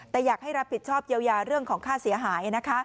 แต่อยากให้รับผิดชอบเยียวยาเรื่องของค่าเสียหาย